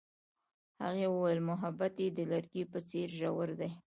هغې وویل محبت یې د لرګی په څېر ژور دی.